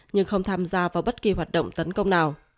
nhưng không tham gia vào bất kỳ hoạt động tấn công nào